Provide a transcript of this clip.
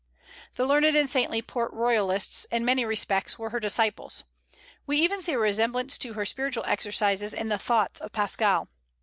The learned and saintly Port Royalists, in many respects, were her disciples. We even see a resemblance to her spiritual exercises in the "Thoughts" of Pascal.